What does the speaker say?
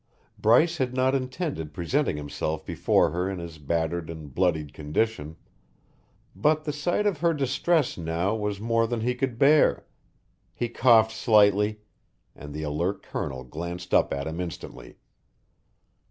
Bryce had not intended presenting himself before her in his battered and bloody condition, but the sight of her distress now was more than he could bear. He coughed slightly, and the alert Colonel glanced up at him instantly.